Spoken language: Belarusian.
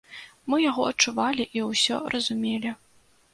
Мы яго адчувалі і ўсё разумелі.